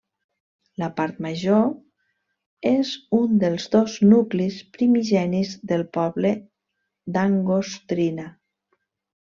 La Part Major és un dels dos nuclis primigenis del poble d'Angostrina.